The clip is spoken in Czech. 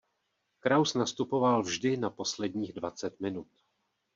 Kraus nastupoval vždy na posledních dvacet minut.